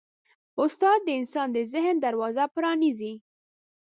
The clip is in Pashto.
استاد د انسان د ذهن دروازه پرانیزي.